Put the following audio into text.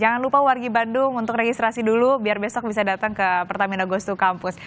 jangan lupa wargi bandung untuk registrasi dulu biar besok bisa datang ke pertaminaan minami nagus to campus